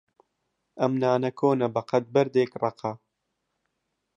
ئەم نانە کۆنە بەقەد بەردێک ڕەقە.